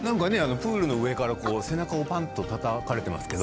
プールの上から背中をパンとたたかれてますけど。